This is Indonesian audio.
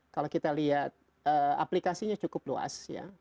kalau kita lihat aplikasinya cukup luas ya